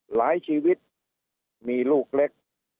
หลายชีวิตมีลูกเล็ก